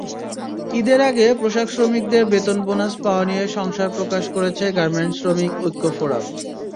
ঈদের আগে পোশাকশ্রমিকদের বেতন-বোনাস পাওয়া নিয়ে সংশয় প্রকাশ করেছে গার্মেন্টস শ্রমিক ঐক্য ফোরাম।